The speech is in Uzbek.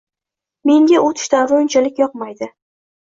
- Menga o'tish davri unchalik yoqmaydi